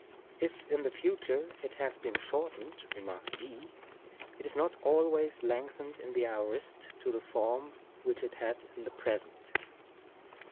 Ifin the future it has been shortened (Rem. d), it is not always lengthened in the aorist to the form which it had in the present.